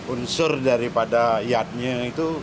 unsur daripada iadnya itu